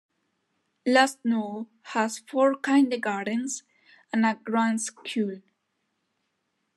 Lustnau has four kindergartens and a Grundschule.